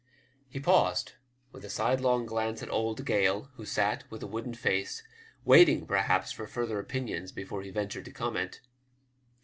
He paused with a sidelong glance at old Gale, who sat with a wooden face, waiting, perhaps, for further opinions before he ventured to comment.